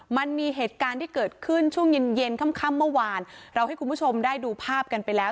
มันมีเหตุการณ์ที่เกิดขึ้นช่วงเย็นเย็นค่ำค่ำเมื่อวานเราให้คุณผู้ชมได้ดูภาพกันไปแล้ว